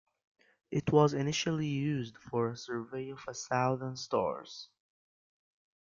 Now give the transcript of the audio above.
It was initially used for a survey of a thousand stars.